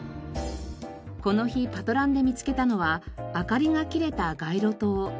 この日パトランで見つけたのは明かりが切れた街路灯。